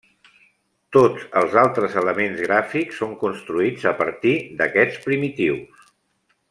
Tots els altres elements gràfics són construïts a partir d'aquests primitius.